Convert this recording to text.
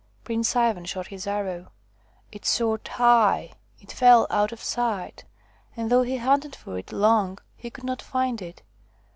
Prince Ivan shot his arrow. It soared high, it fell out of sight, and though he hunted for it long he could not find it.